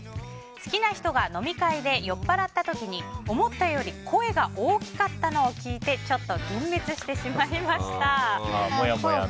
好きな人が飲み会で酔っぱらった時に思ったより声が大きかったのを聞いてちょっと幻滅してしまいました。